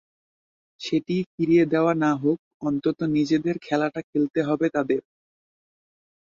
সেটি ফিরিয়ে দেওয়া না হোক অন্তত নিজেদের খেলাটা খেলতে হবে তাঁদের।